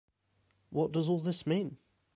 What does all this mean?